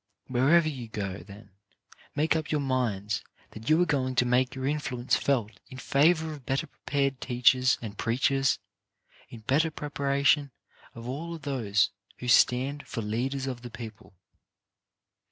Wherever you go, then, make up your minds that you are going to make your influence felt in favour of better prepared teachers and preachers — in better preparation of all those who stand for leaders of the people.